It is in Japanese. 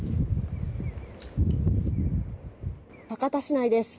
酒田市内です。